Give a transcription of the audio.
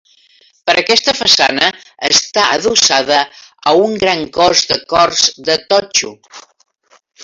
Per aquesta façana està adossada a un gran cos de corts de totxo.